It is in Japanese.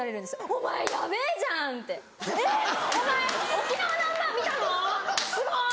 「沖縄ナンバー見たの⁉すごっ！」